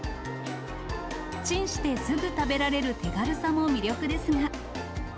チンしてすぐ食べられる手軽さも魅力ですが。